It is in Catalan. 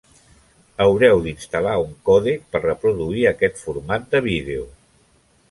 Haureu d'instal·lar un còdec per reproduir aquest format de vídeo.